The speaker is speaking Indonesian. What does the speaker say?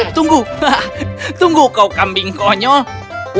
tunggu tunggu kau kambing konyol